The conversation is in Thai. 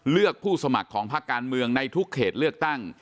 ผู้สมัครของภาคการเมืองในทุกเขตเลือกตั้ง